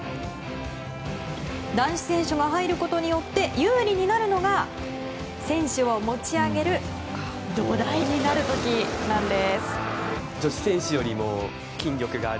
男子選手が入ることによって有利になるのが選手を持ち上げる土台になる時なんです。